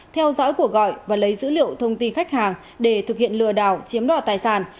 theo dõi cuộc gọi và lấy dữ liệu thông tin khách hàng để thực hiện lừa đảo chiếm đoạt tài sản